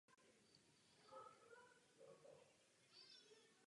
Připomenul bych vám, že Parlament nemá právo iniciovat právní předpisy.